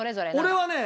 俺はね